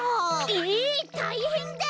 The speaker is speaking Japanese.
えったいへんだ！